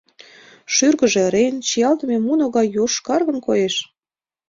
Шӱргыжӧ ырен, чиялтыме муно гай йошкаргын коеш.